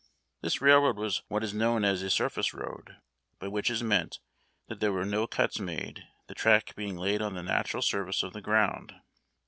This railroad was what is known as a surface road, by which is meant that there were no cuts made, the track being laid on the natural surface of the ground.